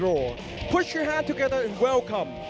ขอบคุณทุกคนและสวัสดีครับ